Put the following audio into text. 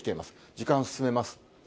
時間進めます。